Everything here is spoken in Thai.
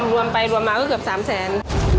รวมไปรวมมาก็เกือบ๓แสน